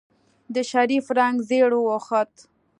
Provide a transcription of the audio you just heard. د شريف رنګ زېړ واوښت.